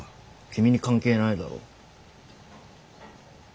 君に関係ないだろ。